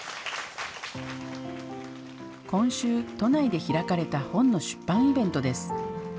今週、都内で開かれた本の出版イベントです。